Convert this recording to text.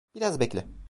Biraz bekle.